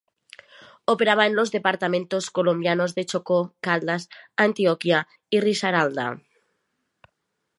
Operaba en los departamentos colombianos de Chocó, Caldas, Antioquia y Risaralda.